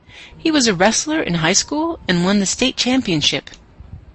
He was a wrestler in high school and won the state championship.